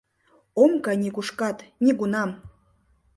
Ом кай нигушкат, нигунам!